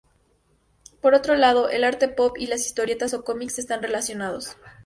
Por otro lado, el arte pop y las historietas o cómics están relacionados.